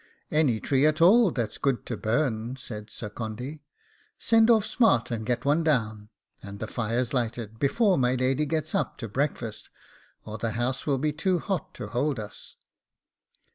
'Any tree at all that's good to burn,' said Sir Condy; 'send off smart and get one down, and the fires lighted, before my lady gets up to breakfast, or the house will be too hot to hold us.